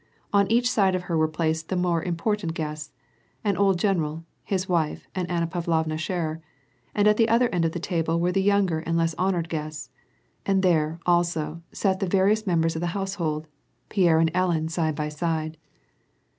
On each side of her w^ re placed tli; more important guests, — an ohl general, his wife, and Anna Pavlovna Scherer ; at the other end of the t;ible were tlu* younger and l<*ss honored guests ; and there, also, sat the var ious members of the household — Pierre and Ellen side by side.